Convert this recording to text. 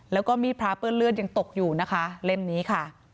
แล้วก็มีดพระเปื้อนเลือดยังตกอยู่นะคะเล่มนี้ค่ะ